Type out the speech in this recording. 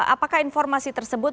apakah informasi tersebut